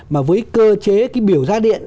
mà với cơ chế cái biểu giá điện